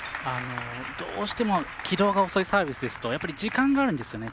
どうしても起動が遅いサービスですと時間があるんです